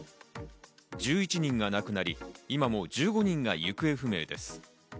１１人が亡くなり、今も１５人が行方不明です。